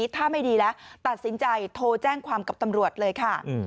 ตัดสินใจโทรแจ้งความกับตำรวจเลยค่ะ